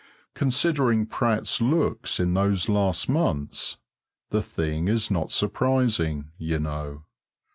Considering Pratt's looks in those last months, the thing is not surprising, you know.